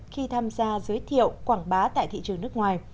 khi tham gia giới thiệu quảng bá tại thị trường nước ngoài